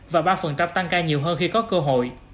và ba tăng ca nhiều hơn khi có cơ hội